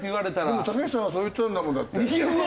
でもたけしさんがそう言ったんだもんだって。